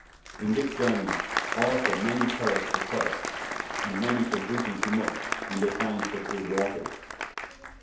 In this jorney, also many peryshe for thirst, and many for drynkyng to muche, when they finde suche good waters.